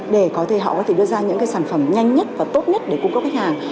để họ có thể đưa ra những sản phẩm nhanh nhất và tốt nhất để cung cấp khách hàng